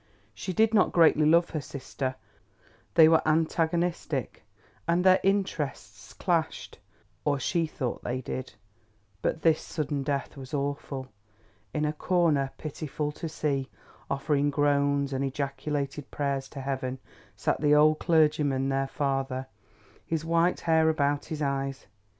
She did not greatly love her sister, they were antagonistic and their interests clashed, or she thought they did, but this sudden death was awful. In a corner, pitiful to see, offering groans and ejaculated prayers to heaven, sat the old clergymen, their father, his white hair about his eyes.